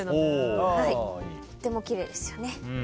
とってもきれいですよね。